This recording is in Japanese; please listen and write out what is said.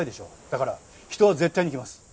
だから人は絶対に来ます。